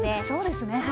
そうですね。